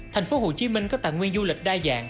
thành phố hồ chí minh có tài nguyên du lịch đa dạng